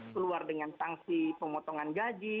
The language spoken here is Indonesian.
keluar dengan sanksi pemotongan gaji